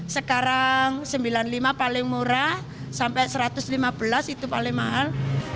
sekarang sembilan puluh lima paling murah sampai satu ratus lima belas itu paling mahal